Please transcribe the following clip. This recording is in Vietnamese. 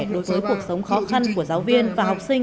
đối với cuộc sống khó khăn của giáo viên và học sinh